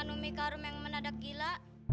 umi kak rum yang menadak gila